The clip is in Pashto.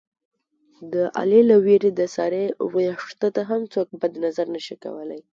د علي له وېرې د سارې وېښته ته هم څوک بد نظر نشي کولی.